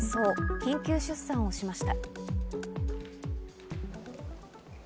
緊急出産をしました。